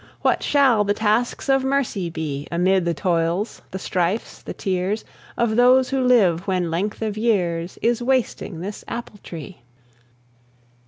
What shall the tasks of mercy be, Amid the toils, the strifes, the tears Of those who live when length of years Is wasting this apple tree?